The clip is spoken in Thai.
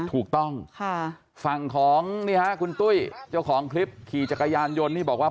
ถูกต้องฝั่งของนี่ฮะคุณตุ้ยเจ้าของคลิปขี่จักรยานยนต์นี่บอกว่า